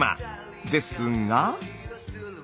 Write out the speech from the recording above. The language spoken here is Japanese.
ですが。